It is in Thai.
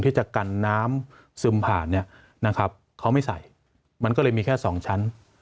ที่จะกันน้ำซึมผ่านเนี่ยนะครับเขาไม่ใส่มันก็เลยมีแค่สองชั้น